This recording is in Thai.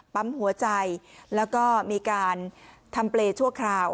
ปั๊มหัวใจแล้วก็มีการทำเปรย์ชั่วคราว